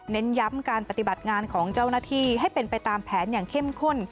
เน้นย้ำการปฏิบัติงานของเจ้าหน้าที่ให้เป็นไปตามแผนอย่างเข้มข้น